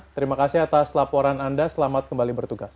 terima kasih atas laporan anda selamat kembali bertugas